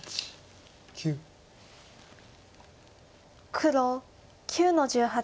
黒９の十八。